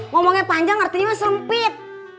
ngomongnya panjang artinya sempit